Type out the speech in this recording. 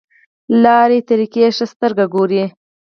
لارې طریقې ښه سترګه ګوري.